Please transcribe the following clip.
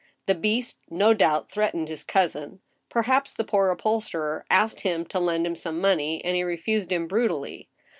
The beast, no doubt, threatened his cousin. Perhaps the poor up holsterer asked him to lend him some money, and he refused him brutally.